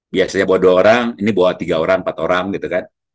biasanya bawa dua orang ini bawa tiga orang empat orang gitu kan